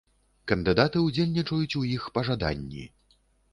Кандыдаты ўдзельнічаюць у іх па жаданні.